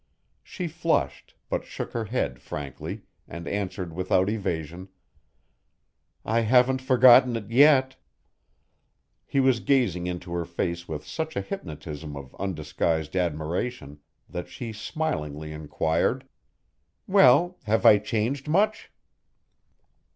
She flushed, but shook her head frankly, and answered without evasion, "I haven't forgotten it yet." He was gazing into her face with such a hypnotism of undisguised admiration that she smilingly inquired, "Well, have I changed much?"